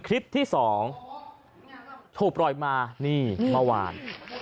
คลิปที่๒ถูกปล่อยมานี่เมื่อวาน